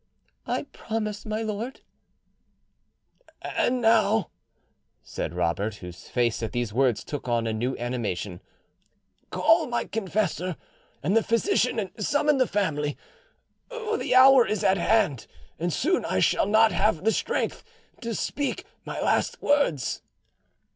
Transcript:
"I promise, my lord." "And now," said Robert, whose face at these words took on a new animation, "call my confessor and the physician and summon the family, for the hour is at hand, and soon I shall not have the strength to speak my last words."